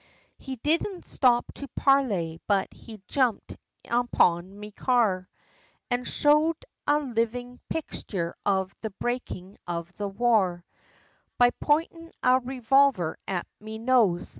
He didn't stop to parley, but he jumped upon me car, An' showed a livin' pixture, of the brakin' of the war, By pointin' a revolver at me nose!